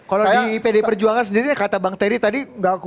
kalau di pd perjuangan sendiri kata bang terry tadi